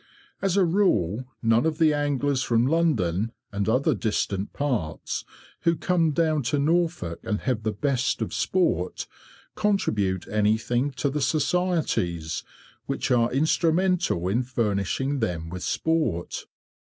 As a rule, none of the anglers from London and other distant parts, who come down to Norfolk and have the best of sport, contribute anything to the societies which are instrumental in furnishing them with sport.